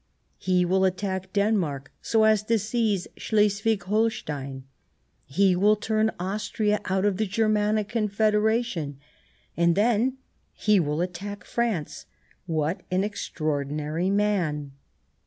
He will attack Denmark so as to seize Slesvig Holstein ; he will turn Austria out of the Germanic Confederation, and then he will attack France, What an extraordinary man